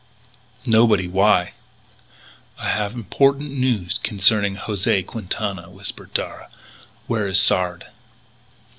"Nobody. Why?" "I have important news concerning José Quintana," whispered Darragh; "Where is Sard?"